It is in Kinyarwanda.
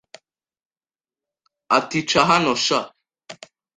ati ca hano sha